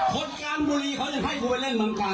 ขดกรรมบุรีเขาจะให้กูมาเล่นบิงการเลย